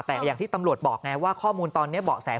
แต่อย่างที่ตำรวจบอกไงว่าข้อมูลตอนนี้เบาะแส